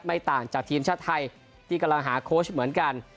ต่างจากทีมชาติไทยที่กำลังหาโค้ชเหมือนกัน